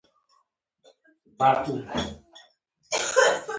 پرون مې احمد ته د لوبو موټر راوړ.